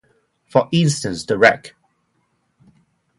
For instance, the rec.